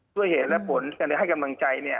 ด้วยเหตุและผลกันเลยให้กำลังใจ